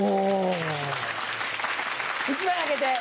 １枚あげて。